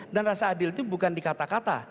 dan rasa adil itu bukan di kata kata